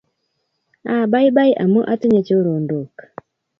Abaibai amu atinye chorondok